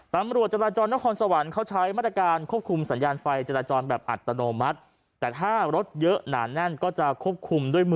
เพื่อรองรับปริมาณการจราจรด้วย